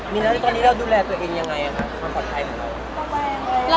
มิ้นตอนนี้เราดูแลตัวเองยังไงค่ะความขอดทายของเรา